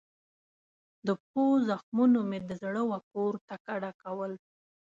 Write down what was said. د پښو زخمونو مې د زړه وکور ته کډه کول